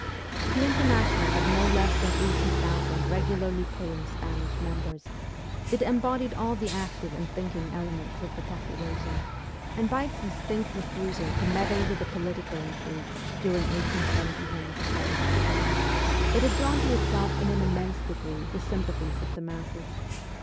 The International had no less than eighty thousand regularly paying Spanish members ; it embodied all the active and thinking elements of the population ; and by its distinct refusal to meddle with the political intrigues during 1871 72 it had drawn to itself in an immense degree the sympathies of the masses.